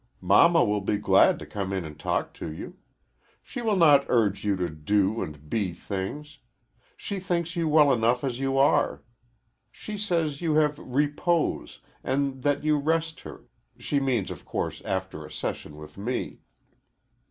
Mamma will be glad to come in and talk to you. She will not urge you to do and be things. She thinks you well enough as you are. She says you have repose, and that you rest her she means, of course, after a session with me."